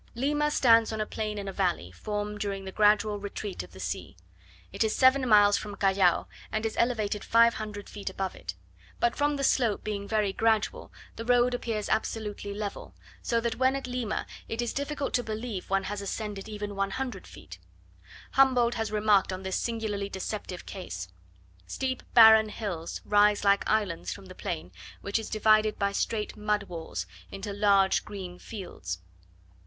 Lima stands on a plain in a valley, formed during the gradual retreat of the sea. It is seven miles from Callao, and is elevated 500 feet above it; but from the slope being very gradual, the road appears absolutely level; so that when at Lima it is difficult to believe one has ascended even one hundred feet: Humboldt has remarked on this singularly deceptive case. Steep barren hills rise like islands from the plain, which is divided, by straight mud walls, into large green fields.